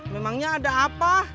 memangnya ada apa